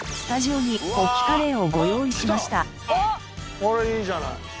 今回はこれいいじゃない。